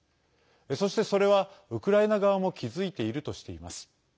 そして、それはウクライナ側も気付いているとしています。